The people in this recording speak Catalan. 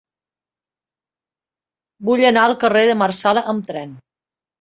Vull anar al carrer de Marsala amb tren.